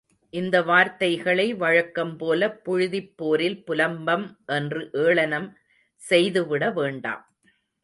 இந்த வார்த்தைகளை வழக்கம் போலப் புழுதிப் போரில் புலம்பம் என்று ஏளனம் செய்துவிடவேண்டாம்.